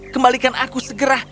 kembalikan aku segera